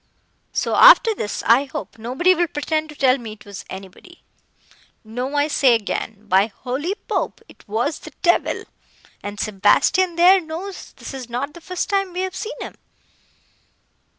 So after this, I hope nobody will pretend to tell me it was anybody. No, I say again, by holy Pope! it was the devil, and Sebastian, there, knows this is not the first time we have seen him."